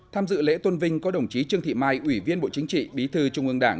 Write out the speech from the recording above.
tham dự lễ tôn vinh có đồng chí trương thị mai ủy viên bộ chính trị bí thư trung ương đảng